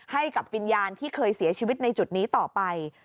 ให้กับวิญญาณที่เคยเสียชีวิตในจุดนี้ต่อไป